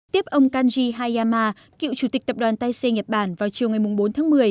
tiếp ông kanji hayama cựu chủ tịch tập đoàn taisei nhật bản vào chiều ngày bốn tháng một mươi